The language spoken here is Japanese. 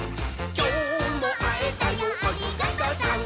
「きょうもあえたよありがとさん！」